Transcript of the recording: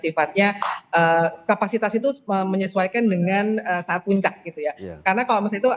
sifatnya kapasitas itu menyesuaikan dengan saat puncak gitu ya karena kalau misalnya itu